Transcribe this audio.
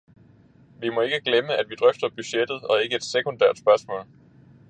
Vi må ikke glemme, at vi drøfter budgettet og ikke et sekundært spørgsmål.